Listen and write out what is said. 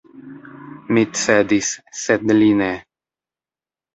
Mi cedis, sed li ne.